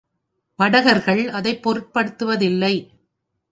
படகர்கள் அதைப் பொருட்படுத்துவதில்லை.